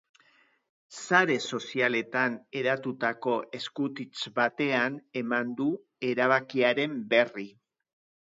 Sare sozialetan hedatutako eskutitz batean eman du erabakiaren berri.